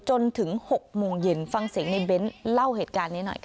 จนถึง๖โมงเย็นฟังเสียงในเบ้นเล่าเหตุการณ์นี้หน่อยค่ะ